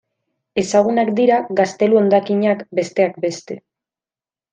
Ezagunak dira gaztelu-hondakinak, besteak beste.